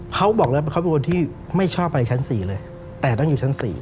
เขาบอกแล้วเขาเป็นคนที่ไม่ชอบอะไรชั้น๔เลยแต่ต้องอยู่ชั้น๔